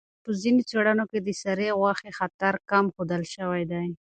په ځینو څېړنو کې د سرې غوښې خطر کم ښودل شوی دی.